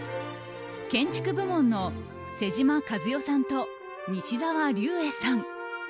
建築部門の妹島和世さんと西沢立衛さん